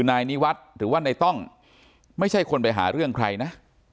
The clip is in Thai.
นายนิวัฒน์หรือว่านายต้องไม่ใช่คนไปหาเรื่องใครนะ